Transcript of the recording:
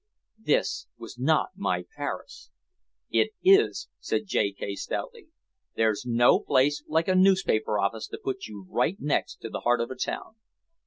This was not my Paris! "It is," said J. K. stoutly. "There's no place like a newspaper office to put you right next to the heart of a town."